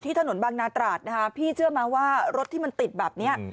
ถนนบางนาตราดนะคะพี่เชื่อไหมว่ารถที่มันติดแบบนี้